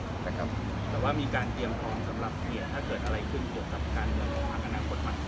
แต่ว่ามีการเตรียมของสำหรับเกี่ยวถ้าเกิดอะไรขึ้นเกี่ยวกับการเรียบร้อยกับอนาคตมัน